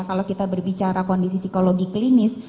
kalau kita berbicara kondisi psikologi klinis